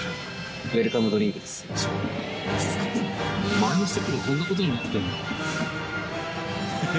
前の席ってこんなことになってんだ。